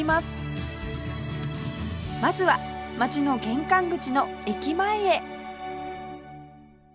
まずは街の玄関口の駅前へ